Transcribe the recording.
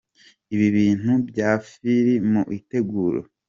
Ibi intu byapfiri mu itegura.